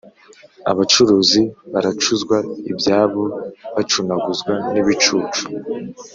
Abacuruzi baracuzwa ibyabo bacunaguzwa n'ibicucu